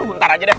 aduh ntar aja deh